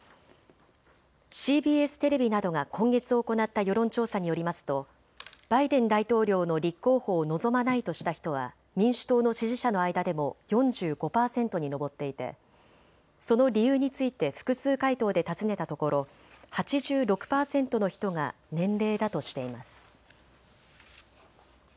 ＣＢＳテレビなどが今月行った世論調査によりますとバイデン大統領の立候補を望まないとした人は民主党の支持者の間でも４５％に上っていてその理由について複数回答で尋ねたところ８６％の人が年齢だとしています。